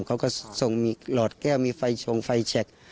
เขาก็ส่งมีหลอดแก้วมีไฟชงไฟแชค